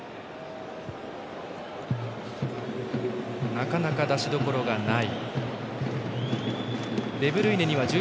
なかなか出しどころがない。